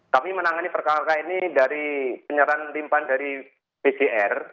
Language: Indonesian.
kami menangani perkara perkara ini dari penyerahan timpan dari pgr